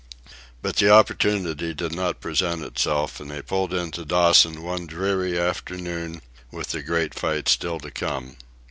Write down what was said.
But the opportunity did not present itself, and they pulled into Dawson one dreary afternoon with the great fight still to come.